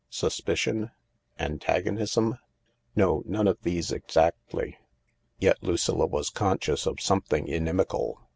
Suspicion ? Antagonism ? No, none of these exactly. Yet Lucilla was conscious of something inimical.